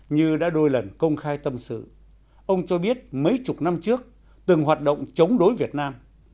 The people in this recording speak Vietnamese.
như đã đôi lần công khai tâm sự ông cho biết mấy chục năm trước từng hoạt động chống đối việt nam